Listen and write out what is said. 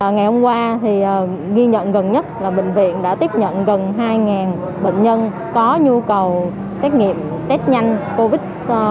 ngày hôm qua thì ghi nhận gần nhất là bệnh viện đã tiếp nhận gần hai bệnh nhân có nhu cầu xét nghiệm test nhanh covid một mươi chín